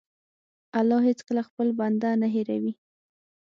الله هېڅکله خپل بنده نه هېروي.